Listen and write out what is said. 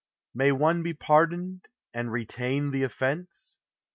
May one be pardoned and retain the offence?